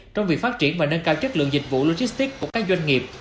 trong việc phát triển và nâng cao chất lượng dịch vụ logistics của các doanh nghiệp